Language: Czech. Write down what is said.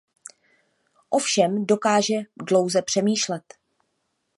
O všem dokáže dlouze přemýšlet.